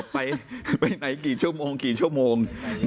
ไปไหนกี่ชั่วโมงกี่ชั่วโมง